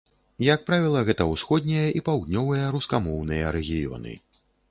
Як правіла, гэта ўсходнія і паўднёвыя рускамоўныя рэгіёны.